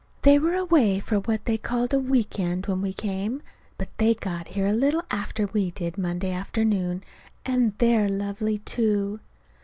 They were away for what they called a week end when we came, but they got here a little after we did Monday afternoon; and they're lovely, too.